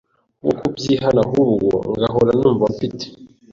wo kubyihana ahubwo ngahora numva mfite